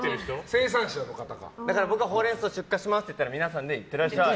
僕がホウレンソウ出荷しますって言ったら皆さんで、いってらっしゃい。